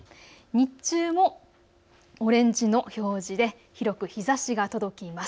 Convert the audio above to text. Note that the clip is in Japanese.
日中もオレンジの表示で広く日ざしが届きます。